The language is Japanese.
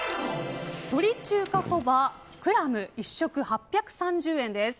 鶏中華そばクラム１食、８３０円です。